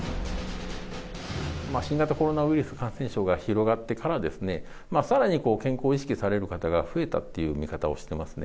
新型コロナウイルス感染症が広がってから、さらに健康を意識される方が増えたっていう見方をしてますね。